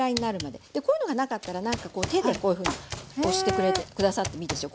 でこういうのがなかったら何かこう手でこういうふうに押して下さってもいいですよ。